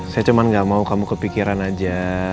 saya cuma gak mau kamu kepikiran aja